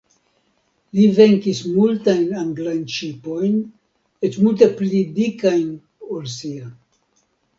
Li venkis multajn anglajn ŝipojn, eĉ multe pli dikajn ol sia.